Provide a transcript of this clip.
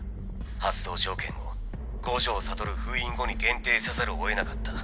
発動条件を五条悟封印後に限定せざるをえなかった。